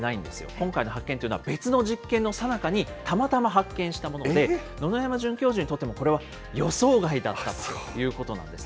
今回の発見というのは、別の実験のさなかにたまたま発見したもので、野々山准教授にとっても、これは予想外だったということなんです。